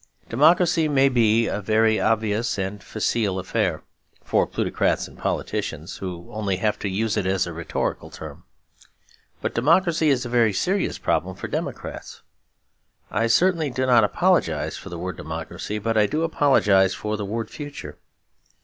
Democracy may be a very obvious and facile affair for plutocrats and politicians who only have to use it as a rhetorical term. But democracy is a very serious problem for democrats. I certainly do not apologise for the word democracy; but I do apologise for the word future.